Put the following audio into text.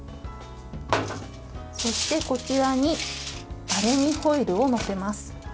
そして、こちらにアルミホイルを載せます。